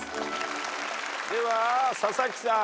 では佐々木さん。